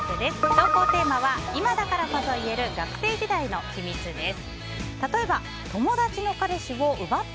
投稿テーマは今だからこそ言える学生時代の秘密！です。